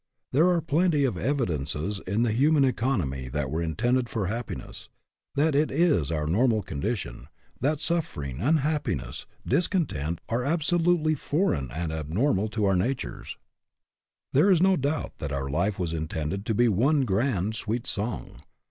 There are plenty of evidences in the human economy that we were intended for happiness, that it is our normal condition ; that suffering, unhappiness, discontent, are 158 HAPPY? IF NOT, WHY NOT? absolutely foreign and abnormal to our natures. There is no doubt that our life was intended to be one grand, sweet song.